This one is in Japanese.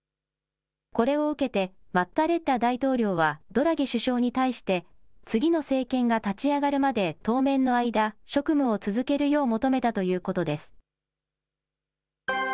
これを受けてマッタレッラ大統領はドラギ首相に対して、次の政権が立ち上がるまで当面の間、職務を続けるよう求めたということです。